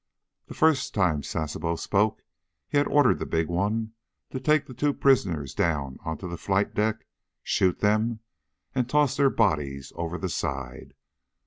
The first time Sasebo spoke he had ordered the big one to take the two prisoners down onto the flight deck, shoot them, and toss their bodies over the side.